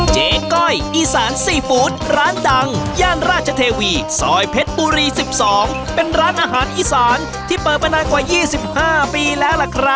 เจ๊ก้อยอีสานซีฟู้ดร้านดังย่านราชเทวีซอยเพชรบุรี๑๒เป็นร้านอาหารอีสานที่เปิดมานานกว่า๒๕ปีแล้วล่ะครับ